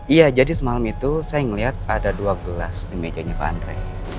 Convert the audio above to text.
iya jadi semalam itu saya melihat ada dua gelas di mejanya bandre